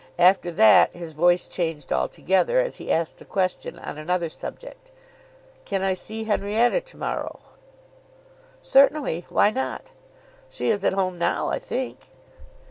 After that his voice changed altogether, as he asked a question on another subject, "Can I see Henrietta to morrow?" "Certainly; why not? She is at home now, I think."